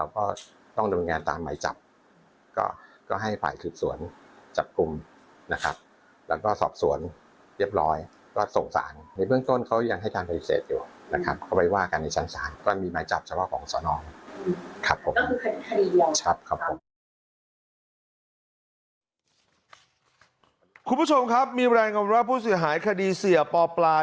คุณผู้ชมครับมีรายงานว่าผู้เสียหายคดีเสียปปลา